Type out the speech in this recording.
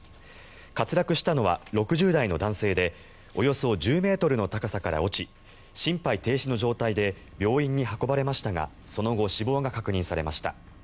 滑落したのは６０代の男性でおよそ１０ｍの高さから落ち心肺停止の状態で病院に運ばれましたがその後、死亡が確認されました。